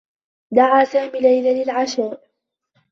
دعى سامي ليلى للعشاء.